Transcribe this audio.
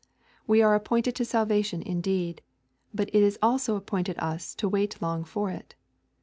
We are appointed to salvation indeed, but it is also appointed us to wait long for it.